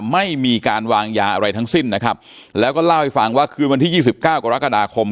ไม่มีการวางยาอะไรทั้งสิ้นนะครับแล้วก็เล่าให้ฟังว่าคืนวันที่ยี่สิบเก้ากรกฎาคม